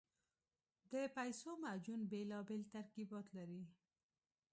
د پیسو معجون بېلابېل ترکیبات لري.